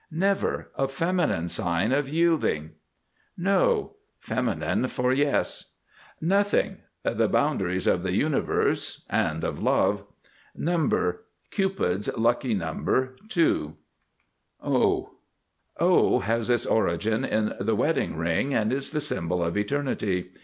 NEVER! A feminine sign of yielding. NO. Feminine for Yes. NOTHING. The boundaries of the Universe and of Love. NUMBER. (Cupid's Lucky Number) 2. O [Illustration: O] has its origin in the Wedding Ring and is the symbol of Eternity.